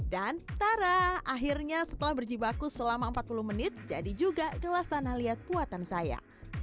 dan taraaa akhirnya setelah berjibaku selama empat puluh menit jadi juga gelas tanah liat buatan saya